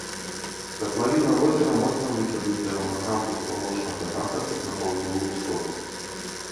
Катлавіна возера моцна выцягнутая ў напрамку з паўночнага захаду на паўднёвы ўсход.